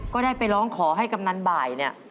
ก็ได้ไปร้องขอให้กำนันบ่ายเนี่ย